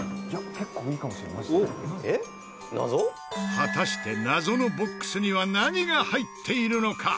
果たして謎のボックスには何が入っているのか？